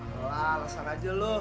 malah lasar aja lo